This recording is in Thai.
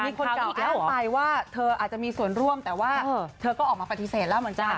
มีคนกล่าวอ้างไปว่าเธออาจจะมีส่วนร่วมแต่ว่าเธอก็ออกมาปฏิเสธแล้วเหมือนกัน